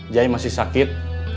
jaya masih sakit